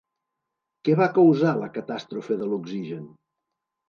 Què va causar la catàstrofe de l'oxigen?